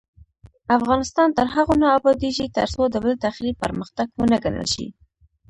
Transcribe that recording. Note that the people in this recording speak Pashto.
افغانستان تر هغو نه ابادیږي، ترڅو د بل تخریب پرمختګ ونه ګڼل شي.